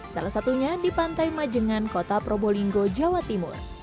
salah satunya di pantai majengan kota probolinggo jawa timur